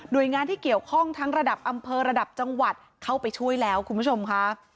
โดยงานที่เกี่ยวข้องทั้งระดับอำเภอระดับจังหวัดเข้าไปช่วยแล้วคุณผู้ชมค่ะ